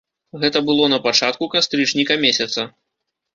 Гэта было на пачатку кастрычніка месяца.